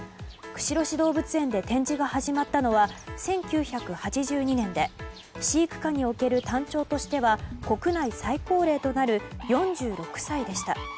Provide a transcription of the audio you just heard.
釧路市動物園で展示が始まったのは１９８２年で飼育下におけるタンチョウとしては国内最高齢となる４６歳でした。